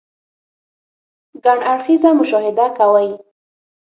ګڼ اړخيزه مشاهده کوئ -